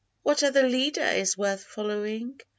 What other leader is worth following